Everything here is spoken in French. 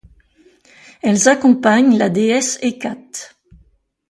Elles accompagnent la déesse Hécate.